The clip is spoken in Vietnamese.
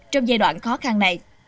trong giai đoạn khó khăn này